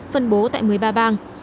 phân bố tại một mươi ba bang